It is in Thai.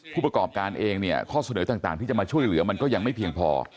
ผู้ประกอบการเองเนี่ยข้อเสนอต่างที่จะมาช่วยเหลือมันก็ยังไม่เพียงพอ